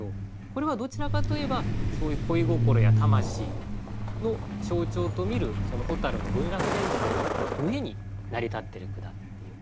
これはどちらかといえばそういう恋心や魂の象徴と見る蛍の文学伝統の上に成り立ってる句だっていう。